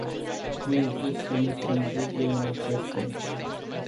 Nu există niciun dubiu în acest sens.